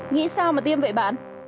nghĩ sao mà tiêm vậy bạn